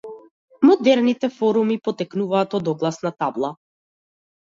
Модерните форуми потекнуваат од огласна табла.